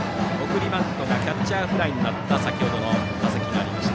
送りバントがキャッチャーフライになった先ほどの打席です。